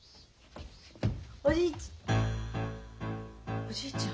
おじいちゃん。